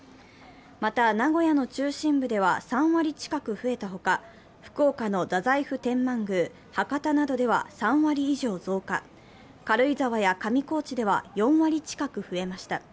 また、名古屋の中心部では３割近く増えたほか、福岡の太宰府天満宮、博多などでは３割以上増加、軽井沢や上高地では４割近く増えました。